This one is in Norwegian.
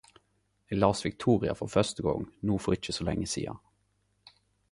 Eg las Viktoria for første gong no for ikkje så lenge sidan.